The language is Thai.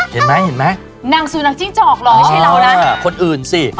เห็นไหมนางซูนางจิ้งจอกเหรอไม่ใช่เราน่ะอ๋อคนอื่นสิ